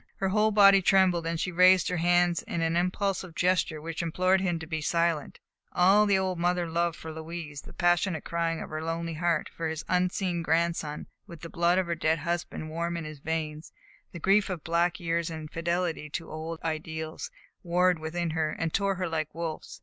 Her whole body trembled, and she raised her hands in an impulsive gesture which implored him to be silent. All the old mother love for Louise, the passionate crying of her lonely heart for this unseen grandson with the blood of her dead husband warm in his veins, the grief of black years and fidelity to old ideals, warred within her, and tore her like wolves.